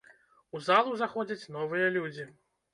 У залу заходзяць новыя людзі.